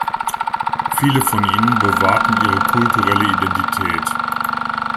Viele von ihnen bewahrten ihre kulturelle Identität.